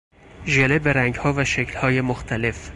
ژله به رنگها و شکلهای مختلف